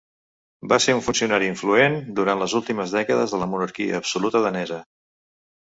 Va ser un funcionari influent durant les últimes dècades de la monarquia absoluta danesa.